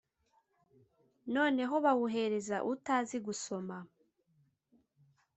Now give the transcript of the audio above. Noneho bawuhereza utazi gusoma